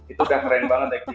itu udah keren banget kayak gini